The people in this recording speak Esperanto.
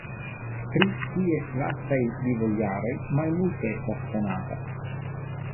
Pri ties lastaj vivojaroj malmulte estas konata.